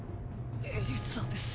エリザベス。